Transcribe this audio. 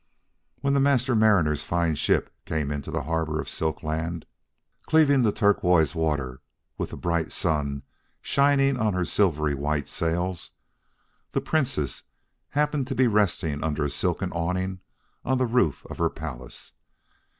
When the Master Mariner's fine ship came into the harbor of Silk Land, cleaving the turquoise water, and with the bright sun shining on her silvery white sails, the Princess happened to be resting under a silken awning on the roof of her palace.